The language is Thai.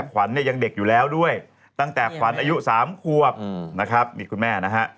๓ควบนะครับนี่คุณแม่นะฮะ